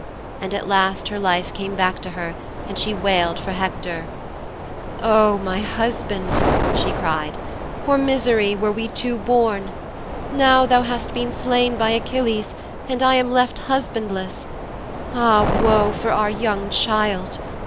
And at last her life came back to her and she wailed for Hector, "O my husband," she cried, "for misery were we two born! Now thou hast been slain by Achilles and I am left husbandless! And ah, woe for our young child!